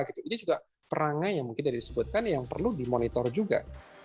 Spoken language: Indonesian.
ini juga perangai yang mungkin tadi disebutkan yang perlu dimonitor juga